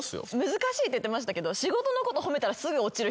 難しいって言ってましたけど。